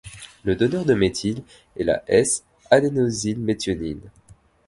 Le donneur de méthyle est la S-adénosylméthionine.